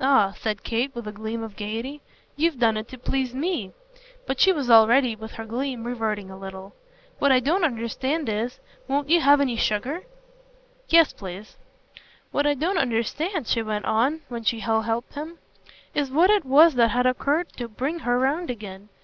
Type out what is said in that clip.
"Ah," said Kate with a gleam of gaiety, "you've done it to please ME." But she was already, with her gleam, reverting a little. "What I don't understand is won't you have any sugar?" "Yes, please." "What I don't understand," she went on when she had helped him, "is what it was that had occurred to bring her round again.